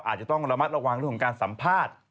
อาจจะต้องระมัดระวังเรื่องของการสัมภาษณ์